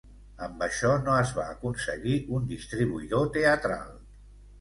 Amb això no es va aconseguir un distribuïdor teatral.